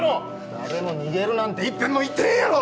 誰も逃げるなんていっぺんも言ってへんやろ！